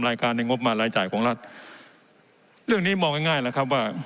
รายการในงบมารายจ่ายของรัฐเรื่องนี้มองง่ายง่ายแล้วครับว่า